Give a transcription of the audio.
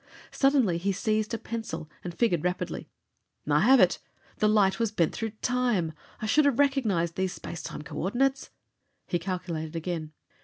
Suddenly he seized a pencil and figured rapidly. "I have it! The light was bent through time! I should have recognized these space time coordinates." He calculated again.